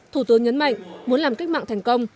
thủ tướng nhấn mạnh muốn làm cách mạng thành công